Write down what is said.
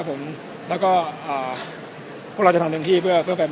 สวัสดีครับขออนุญาตถ้าใครถึงแฟนทีลักษณ์ที่เกิดอยู่แล้วค่ะ